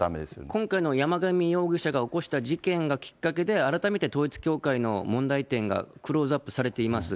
今回の山上容疑者が起こした事件がきっかけで、改めて統一教会の問題点がクローズアップされています。